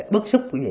bức xúc của gì